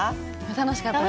楽しかったです。